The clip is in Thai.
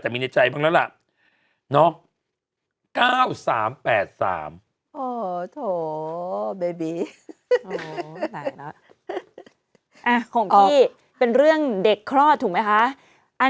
แต่มีในใจบ้างแล้วล่ะ